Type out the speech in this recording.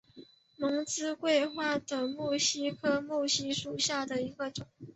蒙自桂花为木犀科木犀属下的一个种。